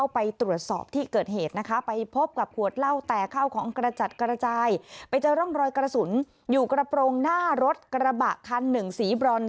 ไปเจอร่องรอยกระสุนอยู่กระโปรงหน้ารถกระบะคัน๑ศรีบรรยา